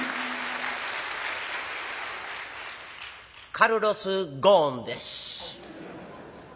「カルロス・ゴーンです。